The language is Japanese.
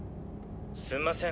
すんません。